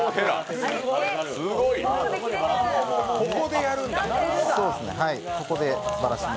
ここでやるんだ。